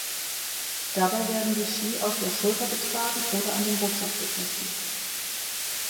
Dabei werden die Ski auf der Schulter getragen oder an dem Rucksack befestigt.